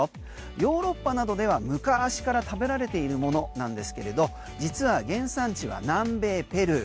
ヨーロッパなどでは昔から食べられているものなんですが実は原産地は南米ペルー。